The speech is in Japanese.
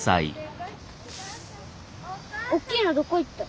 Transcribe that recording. おっきいのどこ行った？